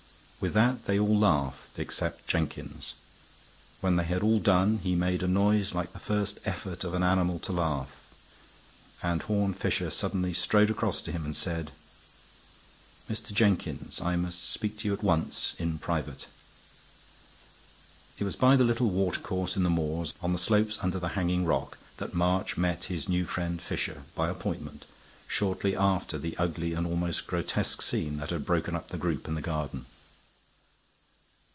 With that they all laughed, except Jenkins. When they had all done, he made a noise like the first effort of an animal to laugh, and Horne Fisher suddenly strode across to him and said: "Mr. Jenkins, I must speak to you at once in private." It was by the little watercourse in the moors, on the slope under the hanging rock, that March met his new friend Fisher, by appointment, shortly after the ugly and almost grotesque scene that had broken up the group in the garden.